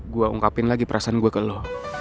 gue ungkapin lagi perasaan gue ke lo